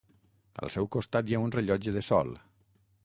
Al seu costat hi ha un rellotge de sol.